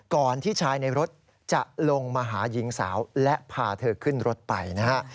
ก่อนที่ชายในรถจะลงมาหาหญิงสาวและพาเธอขึ้นรถไปนะฮะ